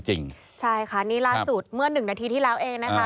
ใช่ค่ะนี่ล่าสุดเมื่อ๑นาทีที่แล้วเองนะคะ